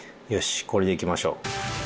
よし、これでいきましょう。